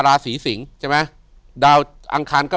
อยู่ที่แม่ศรีวิรัยิลครับ